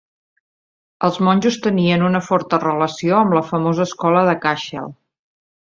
Els monjos tenien una forta relació amb la famosa escola de Cashel.